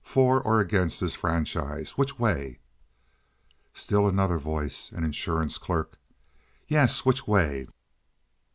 For or against this franchise? Which way?" Still Another Voice (an insurance clerk). "Yes, which way?"